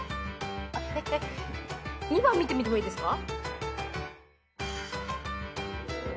えっえっ２番見てみてもいいですか？